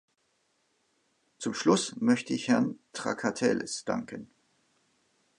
Zum Schluss möchte ich Herrn Trakatellis danken.